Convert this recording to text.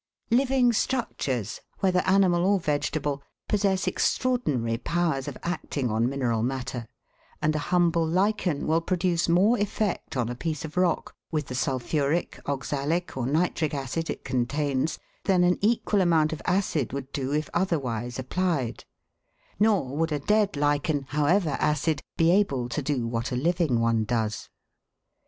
Living structures, whether animal or vegetable, possess extraordinary powers of acting on mineral matter, and a humble lichen will produce more effect on a piece of rock with the sulphuric, oxalic, or nitric acid it contains than an equal amount of acid would do if otherwise applied ; nor would a dead lichen, however acid, be able to do what a living one does.